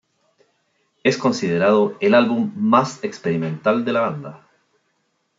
Es considerado el álbum más experimental de la banda.